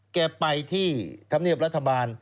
แกไปที่ธรรมเนียบรัฐบาล